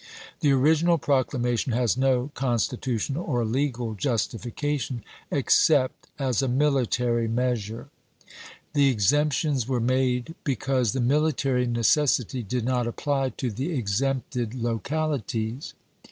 The original proclamation has no constitutional or legal justification, except as a military measure. The exemptions were made because the military necessity did not apply to the exempted THE EDICT OF FKEEDOM 435 localities.